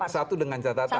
satu dengan catatan